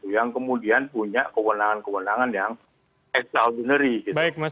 yang kemudian punya kewenangan kewenangan yang extraordinary gitu